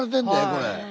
これ。